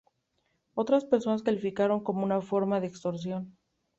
Otras personas calificaron como una forma de extorsión.